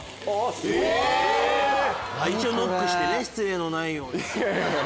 最初ノックしてね失礼のないように。